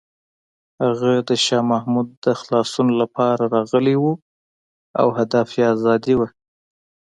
هغه د شاه محمود د خلاصون لپاره راغلی و او هدف یې ازادي وه.